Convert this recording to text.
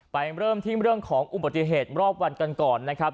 เริ่มที่เรื่องของอุบัติเหตุรอบวันกันก่อนนะครับ